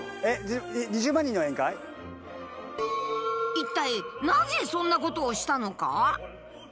一体なぜそんなことをしたのか。